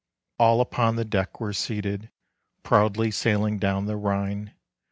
All upon the deck were seated, Proudly sailing down the Rhine.